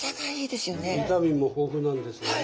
ビタミンも豊富なんですよね